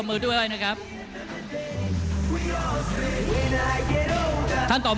ท่านแรกครับจันทรุ่ม